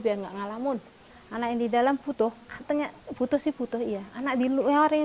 biar enggak ngalamun anak yang di dalam butuh katanya butuh sih butuh iya anak di luar yang